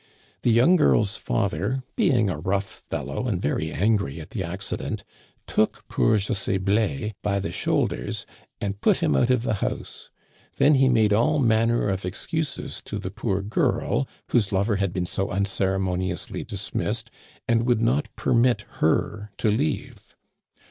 The young girl's father, be ing a rough fellow and very angry at the accident, took poor José Biais by the shoulders and put him out of the house. Then he made all manner of excuses to the poor girl whose lover had been so unceremoniously dis Digitized by VjOOQIC 96 ^^^ CANADIANS OF OLD. missed, and would not permit her to leave.